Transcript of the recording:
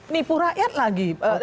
nipu rakyat lagi